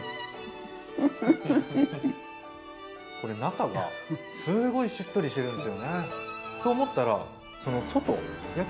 これ中がすごいしっとりしてるんですよね。と思ったらその外焼けてる部分が。